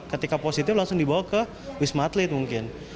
ketika positif langsung dibawa ke wisma atlet mungkin